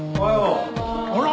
あら。